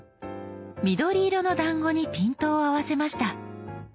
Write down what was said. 緑色のだんごにピントを合わせました。